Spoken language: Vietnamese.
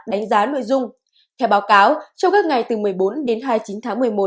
đánh giá nội dung theo báo cáo trong các ngày từ một mươi bốn đến hai mươi chín tháng một mươi một